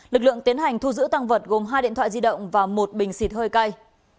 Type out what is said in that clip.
lực lượng tiến hành thu giữ tăng vật gồm hai điện thoại di động và một bình xịt hơi cay